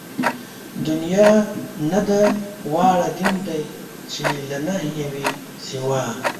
دنيا نه ده واړه دين دئ چې له نَهېِ وي سِوا